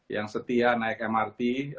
yang setia naik mrt